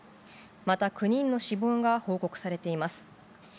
また９人の死亡が報告されています。